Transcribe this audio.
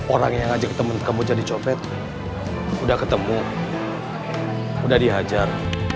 orang yang ngajak temen kamu jadi copet udah ketemu udah dihajar